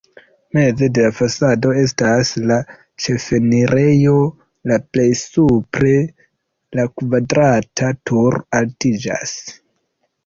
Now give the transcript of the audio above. Meze de la fasado estas la ĉefenirejo, la plej supre la kvadrata turo altiĝas.